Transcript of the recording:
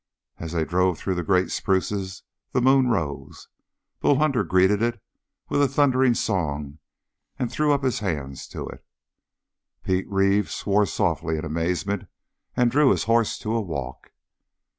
As they drove through the great spruces the moon rose. Bull Hunter greeted it with a thundering song and threw up his hands to it. Pete Reeve swore softly in amazement and drew his horse to a walk.